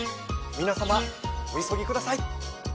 皆様お急ぎください。